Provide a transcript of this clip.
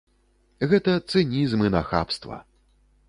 Гэта цынізм і нахабства.